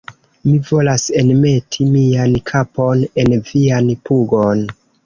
Mi volas enmeti mian kapon en vian pugon!